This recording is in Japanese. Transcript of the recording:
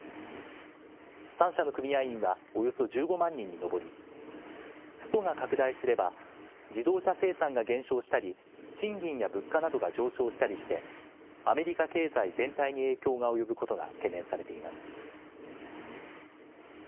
３社の組合員はおよそ１５万人に上り、ストが拡大すれば自動車生産が減少したり、賃金や物価などが上昇したりして、アメリカ経済全体に影響が及ぶことが懸念されています。